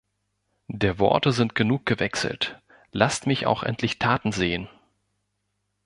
Der Worte sind genug gewechselt, lasst mich auch endlich Taten sehen!